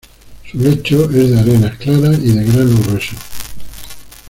Su lecho es de arenas claras y de grano grueso.